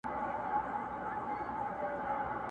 شپه په ورو ورو پخېدلای٫